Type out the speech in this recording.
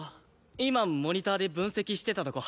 今モニターで分析してたとこ。